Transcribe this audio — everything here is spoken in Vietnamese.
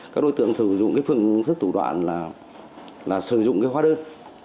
các đối tượng sử dụng phương thức tủ đoạn là sử dụng hoa đơn